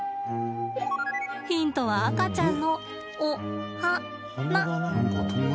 ヒントは、赤ちゃんのお、は、な。